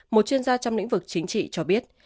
một chuyên gia trong lĩnh vực chính trị cho biết